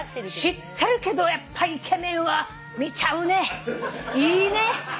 知ってるけどやっぱりイケメンは見ちゃうね。